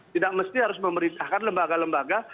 tidak mesti harus memerintahkan lembaga lembaga